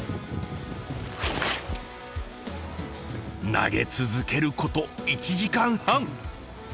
投げ続けること１時間半。